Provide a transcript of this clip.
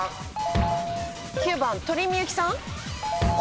９番鳥居みゆきさん？